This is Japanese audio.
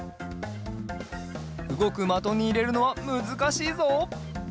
うごくまとにいれるのはむずかしいぞ。